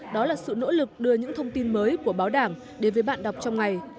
đó là sự nỗ lực đưa những thông tin mới của báo đảng đến với bạn đọc trong ngày